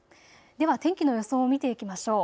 では天気の予想を見ていきましょう。